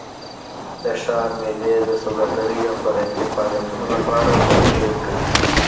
د ښار میلې د سوداګرۍ او فرهنګي فعالیتونو لپاره موقع ورکوي.